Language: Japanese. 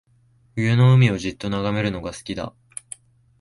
冬の海をじっと眺めるのが好きだ